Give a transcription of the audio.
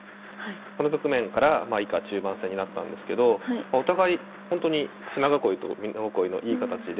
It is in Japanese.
この局面から以下中盤戦になったんですけどお互いほんとに舟囲いと美濃囲いのいい形で。